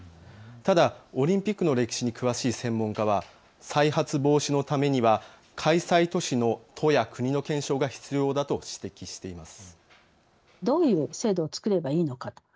ただオリンピックの歴史に詳しい専門家は再発防止のためには開催都市の都や国の検証が必要だと指摘しています。